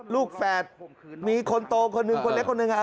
แฝดมีคนโตคนหนึ่งคนเล็กคนหนึ่ง